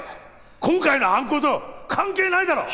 今回の犯行と関係ないだろう！